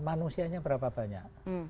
manusianya berapa banyak